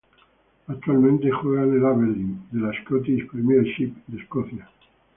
Actualmente juega en el Aberdeen de la Scottish Premiership de Escocia.